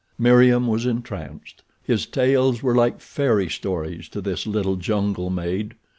Meriem was entranced. His tales were like fairy stories to this little jungle maid.